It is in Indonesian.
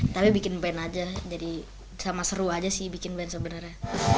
tapi bikin band aja jadi sama seru aja sih bikin brand sebenarnya